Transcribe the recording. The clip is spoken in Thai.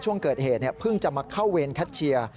ช่วงเกิดเหตุเพิ่งจะมาเข้าเวรแคทเชียร์